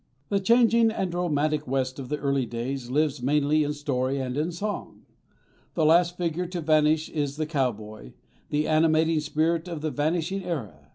The changing and romantic West of the early days lives mainly in story and in song. The last figure to vanish is the cowboy, the animating spirit of the vanishing era.